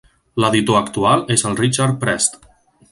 L'editor actual és el Richard Prest.